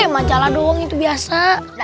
majalah doang itu biasa